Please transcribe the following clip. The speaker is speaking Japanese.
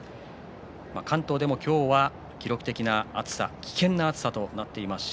関東では今日、記録的な暑さ危険な暑さとなっています。